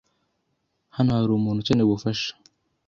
Hano hari umuntu ukeneye ubufasha